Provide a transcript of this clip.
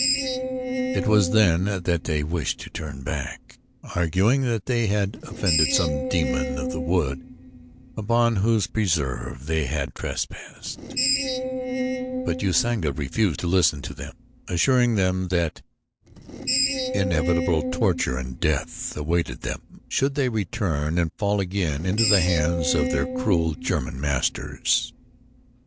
It was then that many wished to turn back, arguing that they had offended some demon of the wood upon whose preserve they had trespassed; but Usanga refused to listen to them, assuring them that inevitable torture and death awaited them should they return and fall again into the hands of their cruel German masters.